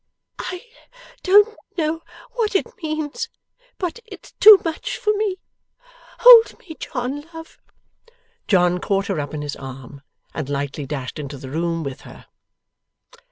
'I don't know what it means, but it's too much for me. Hold me, John, love.' John caught her up in his arm, and lightly dashed into the room with her.